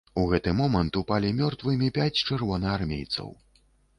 У гэты момант упалі мёртвымі пяць чырвонаармейцаў.